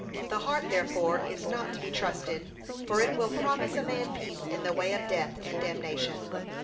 The heart therefore is not to be trusted, for it will promise a man peace in the way of death and damnation.